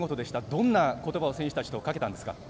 どんな言葉を選手たちにかけたんですか。